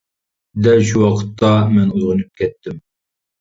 دەل شۇ ۋاقىتتا مەن ئويغىنىپ كەتتىم.